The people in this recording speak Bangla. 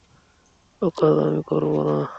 ওকাজ আমি করব না।